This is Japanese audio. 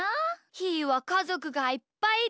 ひーはかぞくがいっぱいいて。